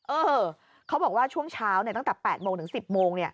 เออเขาบอกว่าช่วงเช้าตั้งแต่๘โมงถึง๑๐โมง